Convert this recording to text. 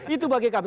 itu bagi kami